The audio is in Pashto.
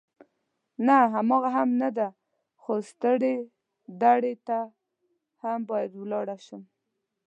نه، هماغه هم نه ده، خو سترې درې ته هم باید ولاړ شم.